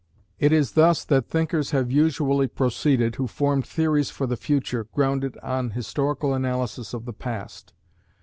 It is thus that thinkers have usually proceeded, who formed theories for the future, grounded on historical analysis of the past.